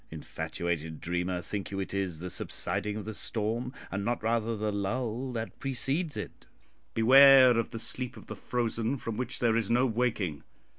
Infatuated dreamer, think you it is the subsiding of the storm, and not rather the lull that precedes it? Beware of the sleep of the frozen, from which there is no waking."